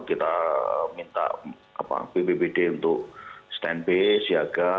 kita minta bpd untuk stand base siaga